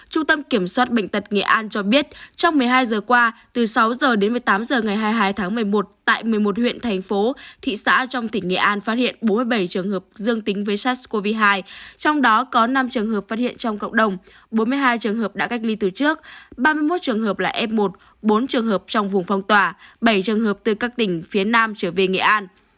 trung tâm kiểm soát bệnh tật nghệ an cho biết trong một mươi hai giờ qua từ sáu giờ đến một mươi tám giờ ngày hai mươi hai tháng một mươi một tại một mươi một huyện thành phố thị xã trong tỉnh nghệ an phát hiện bốn mươi bảy trường hợp dương tính với sars cov hai trong đó có năm trường hợp phát hiện trong cộng đồng bốn mươi hai trường hợp đã cách ly từ trước ba mươi một trường hợp là f một bốn trường hợp trong vùng phong tỏa bảy trường hợp từ các tỉnh phía nam trở về nghệ an